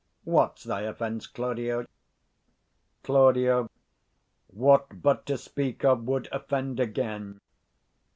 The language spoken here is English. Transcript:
What's thy offence, Claudio? Claud. What but to speak of would offend again.